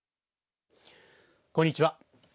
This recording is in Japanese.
こんにちは。